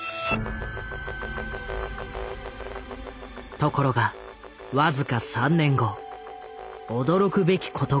ところが僅か３年後驚くべきことが起きる。